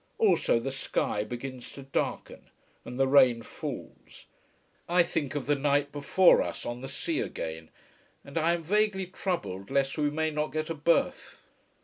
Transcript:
Also the sky begins to darken: and the rain falls. I think of the night before us, on the sea again. And I am vaguely troubled lest we may not get a berth.